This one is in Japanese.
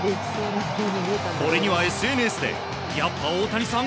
これにはＳＮＳでやっぱ大谷さん